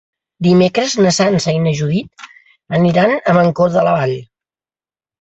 Dimecres na Sança i na Judit aniran a Mancor de la Vall.